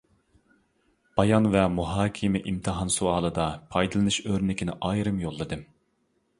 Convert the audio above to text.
بايان ۋە مۇھاكىمە ئىمتىھان سوئالىدا پايدىلىنىش ئۆرنىكىنى ئايرىم يوللىدىم.